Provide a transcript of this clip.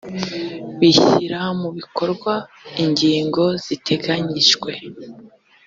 bishyira mu bikorwa ingingo ziteganyijwe